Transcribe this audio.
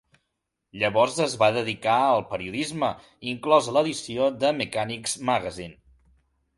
Llavors es va dedicar al periodisme, inclosa l'edició de "Mechanic's Magazine".